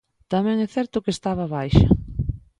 Tamén é certo que estaba baixa.